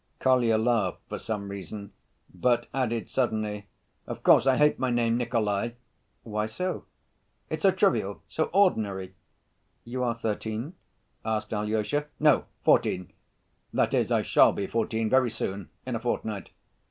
" Kolya laughed for some reason, but added suddenly, "Of course I hate my name Nikolay." "Why so?" "It's so trivial, so ordinary." "You are thirteen?" asked Alyosha. "No, fourteen—that is, I shall be fourteen very soon, in a fortnight.